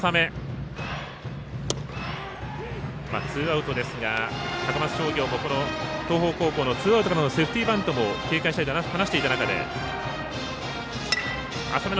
ツーアウトですが高松商業もこの東邦高校のツーアウトからのセーフティーバントも警戒していると話していた中で。